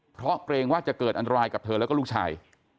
เพราะเกรงว่าจะเกิดอันตรายกับเธอแล้วก็ลูกชาย